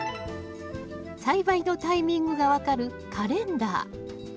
栽培のタイミングが分かるカレンダー